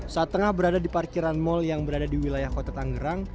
saat tengah berada di parkiran mal yang berada di wilayah kota tangerang